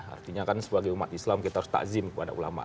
artinya kan sebagai umat islam kita harus takzim kepada ulama